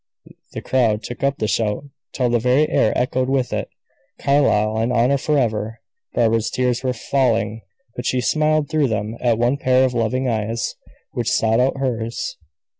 The crowd took up the shout, till the very air echoed with it. "Carlyle and honor forever!" Barbara's tears were falling; but she smiled through them at one pair of loving eyes, which sought out hers.